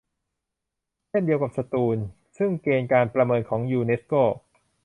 เช่นเดียวกับสตูล ซึ่งเกณฑ์การประเมินของยูเนสโก